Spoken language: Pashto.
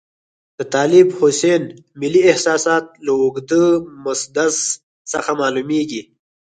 د طالب حسین ملي احساسات له اوږده مسدس څخه معلوميږي.